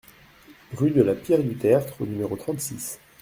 Rue de la Pierre du Tertre au numéro trente-six